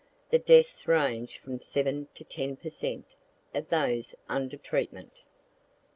The deaths range from seven to ten per cent, of those under treatment.